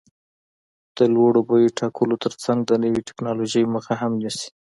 د لوړو بیو ټاکلو ترڅنګ د نوې ټکنالوژۍ مخه هم نیسي.